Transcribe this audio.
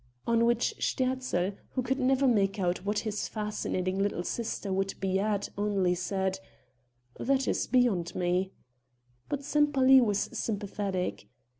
On which Sterzl, who could never make out what his fascinating little sister would be at, only said: "That is beyond me." But Sempaly was sympathetic.